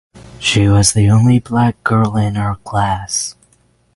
She was the only black girl in her class.